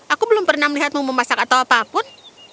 aku belum pernah melihatmu memasak atau apapun